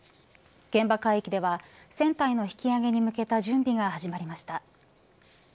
現場海域では船体の引き揚げに向けた準備が始まりました。